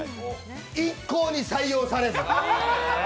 一向に採用されず。